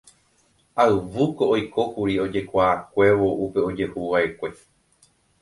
Ayvúko oikókuri ojekuaakuévo upe ojehuvaʼekue.